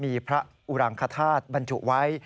มีพระอุรังคธาตุบรรจุไว้